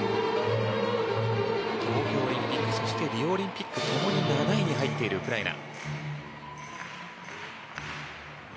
東京オリンピックそしてリオオリンピックでともに７位に入っているウクライナ。